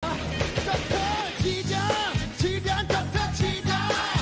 จับเธอชีด้าชีด้านจับเธอชีด้า